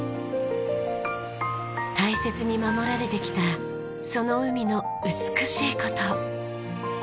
大切に守られてきたその海の美しいこと。